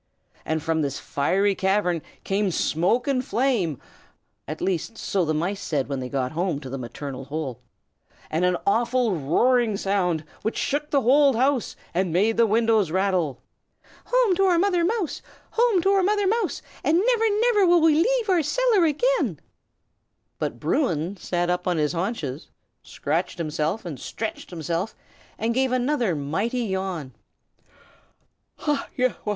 And from this fiery cavern came smoke and flame (at least so the mice said when they got home to the maternal hole), and an awful roaring sound, which shook the whole house and made the windows rattle. "Home to our Mother Mouse! Home to our Mother Mouse! and never, never, will we leave our cellar again!" But Bruin sat up on his haunches, and scratched himself and stretched himself, and gave another mighty yawn.